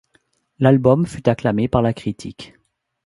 L'album fut acclamé par la critique.